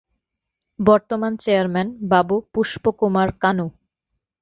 বর্তমান চেয়ারম্যান: বাবু পুষ্প কুমার কানু